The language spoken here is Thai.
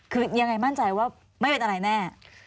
คือยังไงมั่นใจว่าไม่เป็นอะไรแน่